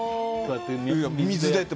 水でって。